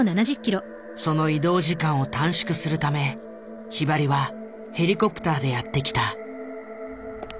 その移動時間を短縮するためひばりはヘリコプターでやってきた。